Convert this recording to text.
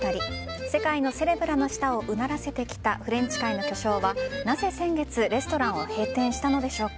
世界のセレブらの舌をうならせてきたフレンチ界の巨匠はなぜ先月、レストランを閉店したのでしょうか。